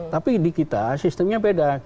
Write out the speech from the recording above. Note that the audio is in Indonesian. tapi di kita sistemnya beda